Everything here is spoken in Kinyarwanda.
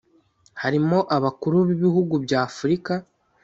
harimo abakuru b’ibihugu bya Afurika